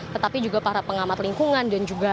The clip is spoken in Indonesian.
tetapi juga para pengamat lingkungan